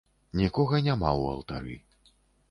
Нікога няма ў алтары.